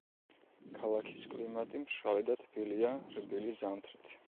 ქალაქის კლიმატი მშრალი და თბილია, რბილი ზამთრით.